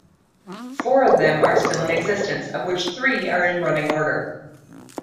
Four of them are still in existence of which three are in running order.